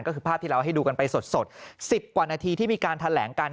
ก็คือภาพที่เราให้ดูกันไปสด๑๐กว่านาทีที่มีการแถลงกัน